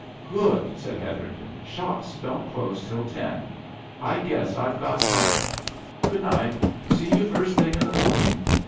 "Good!" said Hetherington. "Shops don't close till ten I guess I've got time. Good night see you first thing in the morning.